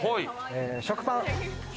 食パン。